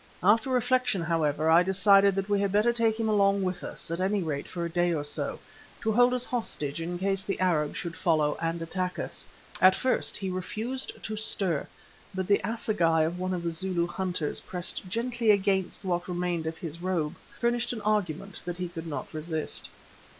After reflection, however, I decided that we had better take him along with us, at any rate for a day or so, to hold as a hostage in case the Arabs should follow and attack us. At first he refused to stir, but the assegai of one of the Zulu hunters pressed gently against what remained of his robe, furnished an argument that he could not resist.